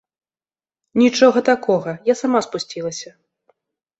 Нічога такога, я сама спусцілася.